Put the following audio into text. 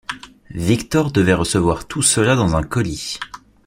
Victor devait recevoir tout cela dans un colis.